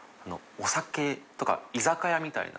お酒とか居酒屋みたいな。